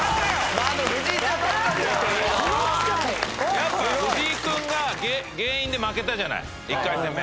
やっぱ藤井君が原因で負けたじゃない１回戦目。